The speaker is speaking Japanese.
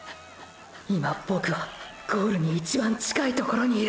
今ボクはゴールに一番近いところにいる！！